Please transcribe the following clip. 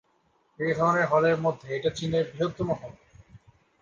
এ ধরনের হলের মধ্যে এটা চীনের বৃহত্তম হল।